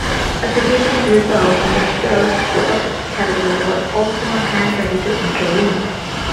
A significant reserve, under Sir Hugh Calveley, was also on hand ready to intervene.